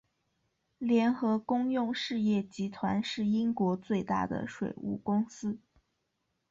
联合公用事业集团是英国最大的水务公司。